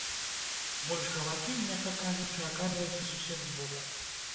Больш гаваркім, мякка кажучы, аказваецца сусед збоку.